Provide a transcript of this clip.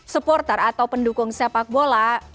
supporter atau pendukung sepak bola